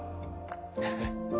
フフッ。